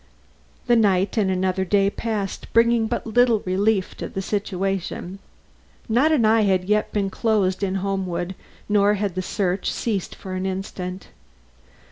The night and another day passed, bringing but little relief to the situation. Not an eye had as yet been closed in Homewood, nor had the search ceased for an instant.